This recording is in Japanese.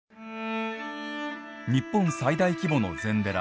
日本最大規模の禅寺。